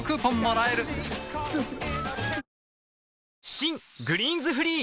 新「グリーンズフリー」